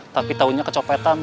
tapi taunya kecopetan